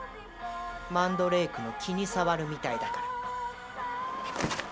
マンドレークの気に障るみたいだから。